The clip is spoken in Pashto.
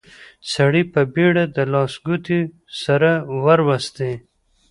سړي په بيړه د لاس ګوتې سره وروستې.